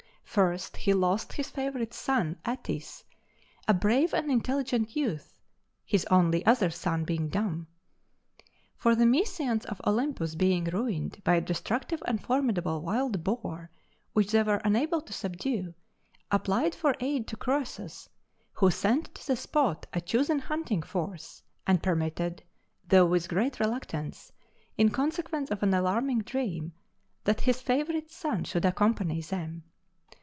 First he lost his favorite son Atys, a brave and intelligent youth (his only other son being dumb). For the Mysians of Olympus being ruined by a destructive and formidable wild boar, which they were unable to subdue, applied for aid to Croesus, who sent to the spot a chosen hunting force, and permitted though with great reluctance, in consequence of an alarming dream that his favorite son should accompany them.